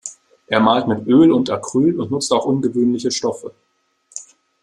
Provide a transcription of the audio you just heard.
Er malt mit Öl und Acryl und nutzt auch ungewöhnliche Stoffe.